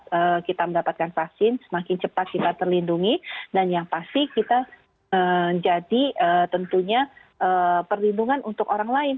ketika kita mendapatkan vaksin semakin cepat kita terlindungi dan yang pasti kita menjadi tentunya perlindungan untuk orang lain